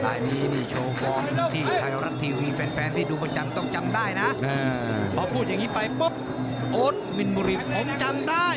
ลายนี้นี่โชว์ฟอร์มที่ไทยรัฐทีวีแฟนที่ดูประจำต้องจำได้นะพอพูดอย่างนี้ไปปุ๊บโอ๊ตมินบุรีผมจำได้